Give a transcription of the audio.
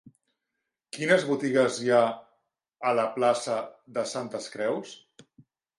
Quines botigues hi ha a la plaça de Santes Creus?